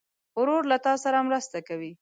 ورور له تا سره مرسته کوي.